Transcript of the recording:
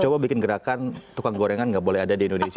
coba bikin gerakan tukang gorengan nggak boleh ada di indonesia